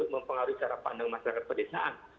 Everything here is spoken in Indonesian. mempengaruhi cara pandang masyarakat pedesaan